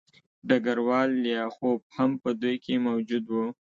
ډګروال لیاخوف هم په دوی کې موجود و